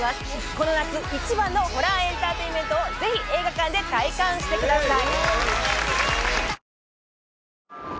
この夏一番のホラーエンターテインメントをぜひ映画館で体感してください